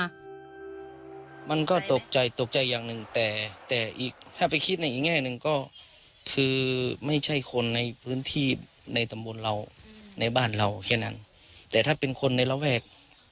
มันก็ตกใจตกใจอย่างหนึ่งแต่แต่อีกถ้าไปคิดในอีกแง่หนึ่งก็คือไม่ใช่คนในพื้นที่ในตำบลเราในบ้านเราแค่นั้นแต่ถ้าเป็นคนในระแวก